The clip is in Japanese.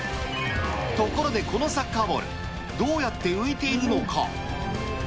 ところでこのサッカーボール、どうやって浮いているのか。